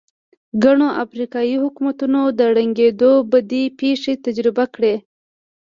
ګڼو افریقايي حکومتونو د ړنګېدو بدې پېښې تجربه کړې.